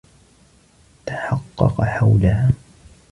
تحقق حولها.